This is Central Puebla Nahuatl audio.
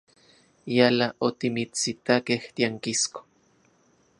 Yala otimitsitakej tiankisko.